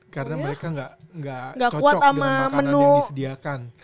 karena mereka enggak cocok dengan makanan yang disediakan